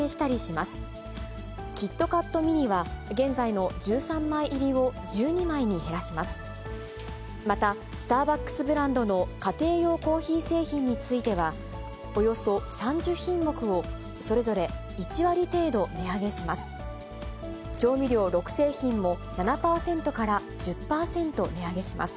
また、スターバックスブランドの家庭用コーヒー製品については、およそ３０品目をそれぞれ１割程度値上げします。